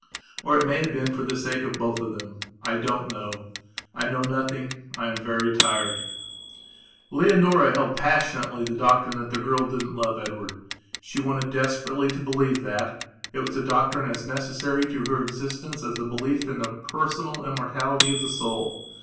Or it may have been for the sake of both of them. I don't know. I know nothing. I am very tired. Leonora held passionately the doctrine that the girl didn't love Edward. She wanted desperately to believe that. It was a doctrine as necessary to her existence as a belief in the personal immortality of the soul.